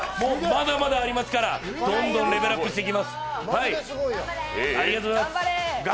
まだまだありますから、どんどんアップしていきます。